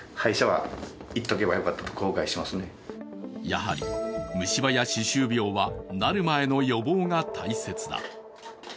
やはり、虫歯や歯周病はなる前の予防が大切だ。